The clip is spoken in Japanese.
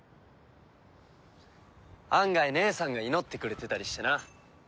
案外姉さんが祈ってくれてたりしてな。